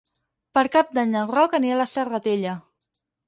Per Cap d'Any en Roc anirà a la Serratella.